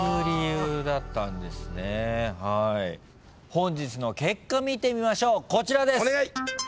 本日の結果見てみましょうこちらです。